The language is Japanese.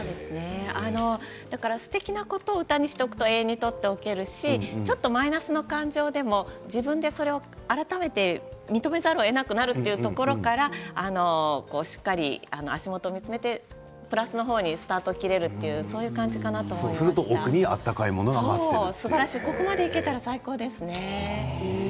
だからすてきなことを歌にしておくと永遠に取っておけるしちょっとマイナスの感情でも自分で、それを改めて認めざるをえなくなるというところからしっかり足元を見つめてプラスの方にいいスタートを切れるそうそうすると奥に温かいものが待っているということですね。